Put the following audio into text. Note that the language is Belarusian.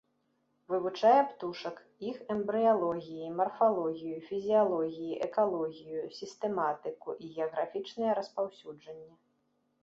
Вывучае птушак, іх эмбрыялогіі, марфалогію, фізіялогіі, экалогію, сістэматыку і геаграфічнае распаўсюджванне.